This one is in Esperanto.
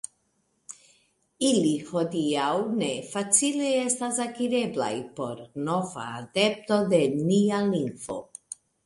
Ili hodiaŭ ne facile estas akireblaj por nova adepto de nia lingvo.